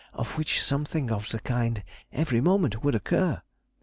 of which something of the kind every moment would occur.